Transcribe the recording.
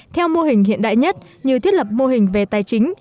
theo mô hình hiện đại nhất như thiết lập mô hình về tài chính